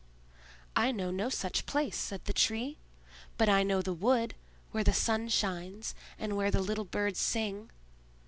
"I know no such place," said the Tree. "But I know the wood, where the sun shines, and where the little birds sing."